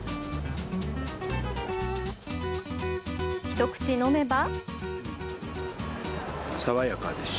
一口飲めば。